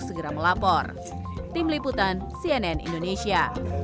segera melapor tim liputan cnn indonesia